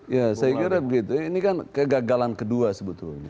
ya saya kira begitu ini kan kegagalan kedua sebetulnya